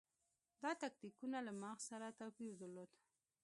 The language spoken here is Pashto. دا تکتیکونه له مغز سره توپیر درلود.